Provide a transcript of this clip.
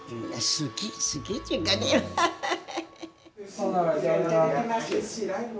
ほんなら、いただきます。